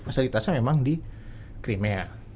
fasilitasnya memang di crimea